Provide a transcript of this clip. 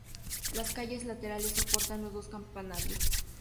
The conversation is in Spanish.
Las calles laterales soportan los dos campanarios.